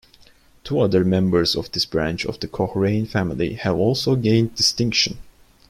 Two other members of this branch of the Cochrane family have also gained distinction.